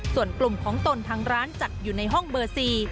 ส่วนกลุ่มของตนทางร้านจัดอยู่ในห้องเบอร์๔